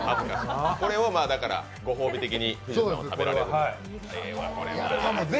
これをご褒美的に食べられると。